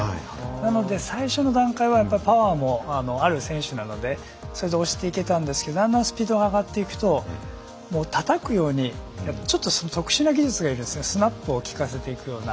なので最初の段階はパワーもある選手なのでそれで押していけたんですがだんだんスピードが上がっていくとたたくようにちょっと特殊な技術がいるんですスナップを利かせるような。